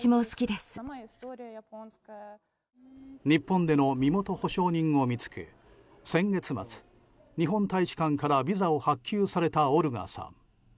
日本での身元保証人を見つけ先月末、日本大使館からビザを発給されたオルガさん。